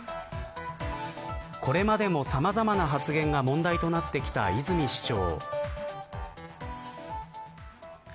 これまでもさまざまな発言が問題となって泉市長。